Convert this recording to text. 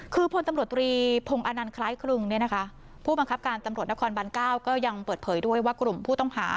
คือพลตำรวจตรีพงศ์อนันต์คล้ายครึงผู้บังคับการตำรวจนครบัน๙ก็ยังเปิดเผยด้วยว่ากลุ่มผู้ต้องหา